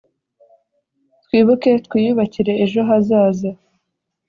twibuke twiyubakire ejo hazaza